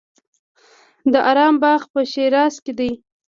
د ارم باغ په شیراز کې دی.